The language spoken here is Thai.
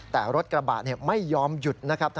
แต่รถกระบะไม่ยอมหยุดนะครับ